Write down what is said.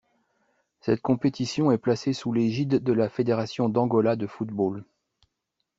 Cette compétition est placée sous l'égide de la Fédération d'Angola de football.